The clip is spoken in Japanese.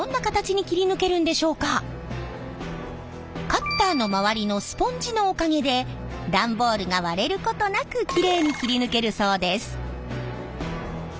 カッターの周りのスポンジのおかげで段ボールが割れることなくきれいに切り抜けるそうです。